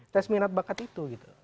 tes minat bakat itu gitu